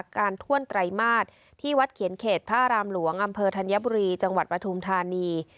ถ้วนไตรมาสที่วัดเขียนเขตพระรามหลวงอำเภอธัญบุรีจังหวัดปฐุมธานี